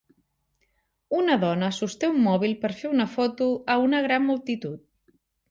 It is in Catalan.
Una dona sosté un mòbil per fer una foto a una gran multitud.